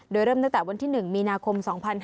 โดยเริ่มตั้งแต่วันที่๑มีนาคม๒๕๕๙